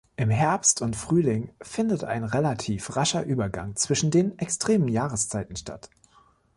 Im Herbst und Frühling findet ein relativ rascher Übergang zwischen den extremen Jahreszeiten statt.